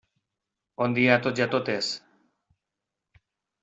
Bon dia a tots i a totes.